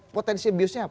potensi abuse nya apa